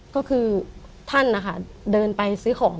ก็คือท่านนะคะเดินไปซื้อของ